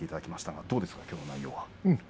どうですか、きょうの内容。